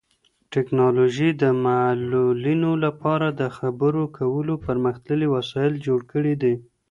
ټیکنالوژي د معلولینو لپاره د خبرو کولو پرمختللي وسایل جوړ کړي دي.